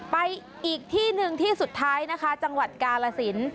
ไปอีกที่หนึ่งที่สุดท้ายนะคะจังหวัดกาลสิน